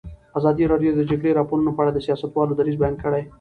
ازادي راډیو د د جګړې راپورونه په اړه د سیاستوالو دریځ بیان کړی.